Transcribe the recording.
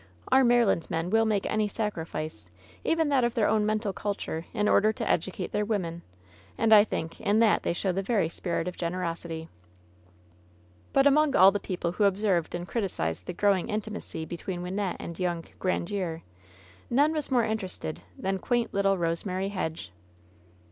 Our Maryland men will make any sacrifice, even that of their own mental culture, in order to educate their women, and I think in that they show the very spirit of generosity.'^ But among all the people who observed and criticized the growing intimacy between Wynnette and young 160 LOVE'S BITTEREST CUP Grandiere, none was more interested than quaint little Rosemary Hedge.